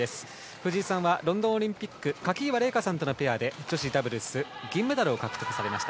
藤井さんはロンドンオリンピック垣岩令佳さんとのペアで女子ダブルスで銀メダルを獲得されました。